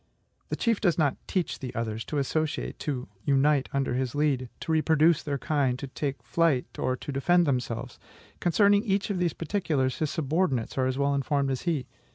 The chief does not teach the others to associate, to unite under his lead, to reproduce their kind, to take to flight, or to defend themselves. Concerning each of these particulars, his subordinates are as well informed as he.